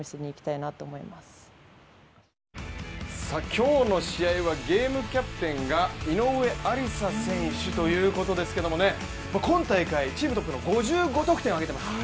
今日の試合はゲームキャプテンが井上愛里沙選手ということですけれども今大会、チームトップの５５得点を挙げています。